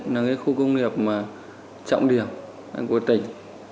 là khu công nghiệp trọng điểm của tỉnh